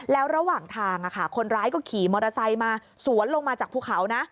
แล้วระหว่างทางคนร้ายก็ขี่มอเตอร์ไซค์มาสวนลงมาจากภูเขานะ